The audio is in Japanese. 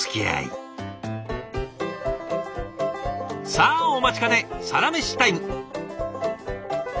さあお待ちかねサラメシタイム。